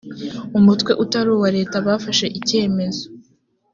umutwe utari uwa leta bafashe icyemezo